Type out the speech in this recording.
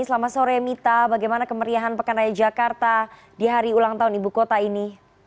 selamat sore mita bagaimana kemeriahan pekan raya jakarta di hari ulang tahun ibu kota ini